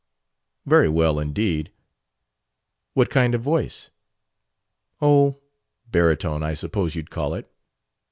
"Very well indeed." "What kind of voice?" "Oh, baritone, I suppose you'd call it."